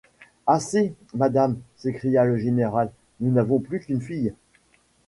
Assez, madame, s’écria le général, nous n’avons plus qu’une fille!